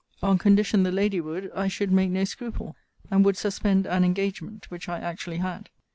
On condition the lady would, I should make no scruple; and would suspend an engagement: which I actually had.